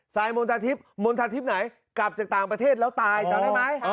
มณฑทิพย์มณฑาทิพย์ไหนกลับจากต่างประเทศแล้วตายจำได้ไหม